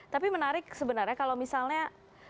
tapi menarik sebenarnya kalau misalnya